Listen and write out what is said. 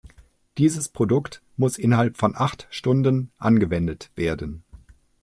Dieses Produkt muss innerhalb von acht Stunden angewendet werden.